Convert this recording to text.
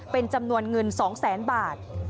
เป็นจำนวนเงิน๒๐๐๐๐๐บาท